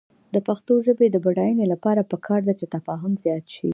د پښتو ژبې د بډاینې لپاره پکار ده چې تفاهم زیات شي.